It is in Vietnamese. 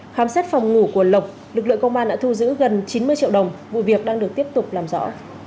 khám xét phòng ngủ của lộc lực lượng công an đã thu giữ gần chín mươi triệu đồng vụ việc đang được tiếp tục làm rõ